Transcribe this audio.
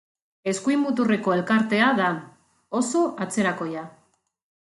Eskuin muturreko elkartea da, oso atzerakoia.